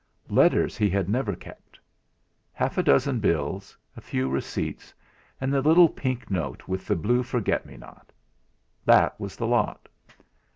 Letters he had never kept. Half a dozen bills, a few receipts, and the little pink note with the blue forget me not. That was the lot!